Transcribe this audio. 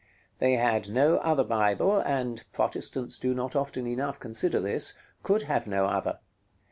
They had no other Bible, and Protestants do not often enough consider this could have no other.